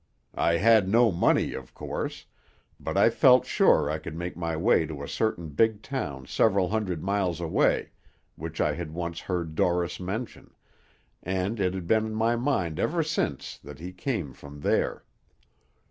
I had no money, of course, but I felt sure I could make my way to a certain big town several hundred miles away, which I had once heard Dorris mention, and it had been in my mind ever since that he came from there.